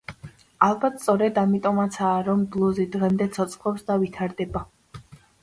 ალბათ სწორედ ამიტომაცაა, რომ ბლუზი დღემდე ცოცხლობს და ვითარდება.